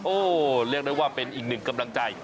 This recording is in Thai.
เรียกได้ว่าเป็นอีกหนึ่งกำลังใจ